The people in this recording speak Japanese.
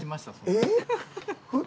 えっ？